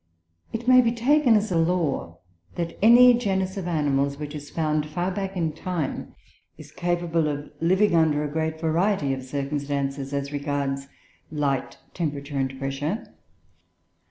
It may be taken as a law that any genus of animals which is found far back in time is capable of living under a great variety of circumstances as regards light, temperature, and pressure.